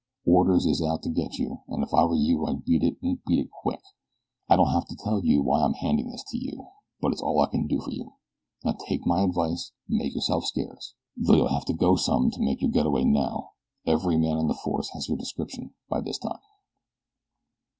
Orders is out to get you, and if I were you I'd beat it and beat it quick. I don't have to tell you why I'm handing you this, but it's all I can do for you. Now take my advice and make yourself scarce, though you'll have to go some to make your get away now every man on the force has your description by this time."